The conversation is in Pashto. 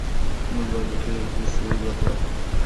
موږ بايد له تېرو پېښو عبرت واخلو.